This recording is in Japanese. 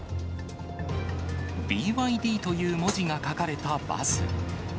ＢＹＤという文字が書かれたバス。